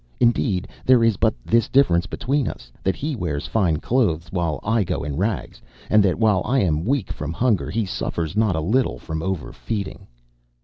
Indeed, there is but this difference between us—that he wears fine clothes while I go in rags, and that while I am weak from hunger he suffers not a little from overfeeding.